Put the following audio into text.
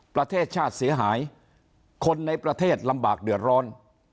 ประเทศชาติเสียหายคนในประเทศลำบากเดือดร้อน